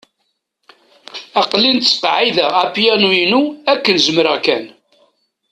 Aql-i ttqeεεideɣ apyanu-inu akken zemreɣ kan.